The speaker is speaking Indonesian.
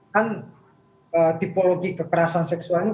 kan tipologi kekerasan seksualnya